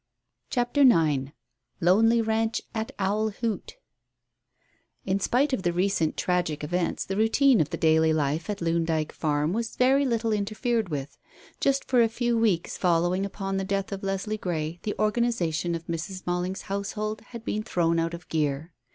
CHAPTER IX LONELY RANCH AT OWL HOOT In spite of the recent tragic events the routine of the daily life at Loon Dyke Farm was very little interfered with. Just for a few weeks following upon the death of Leslie Grey the organization of Mrs. Malling's household had been thrown out of gear.